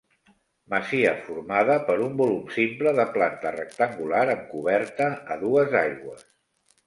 Masia formada per un volum simple de planta rectangular amb coberta a dues aigües.